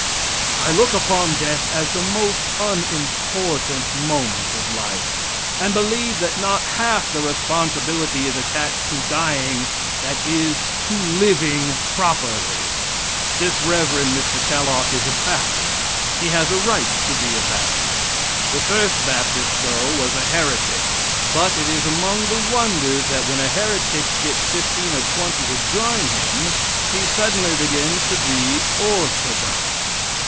I look upon death as the most unimportant moment of life, and believe that not half the responsibility is attached to dying that is to living properly. This Rev. Mr. Kalloch is a baptist. He has a right to be a baptist. The first baptist, though was a heretic; but it is among the wonders that when a heretic gets fifteen or twenty to join him he suddenly begins to be orthodox.